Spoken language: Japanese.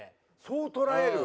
そう捉える？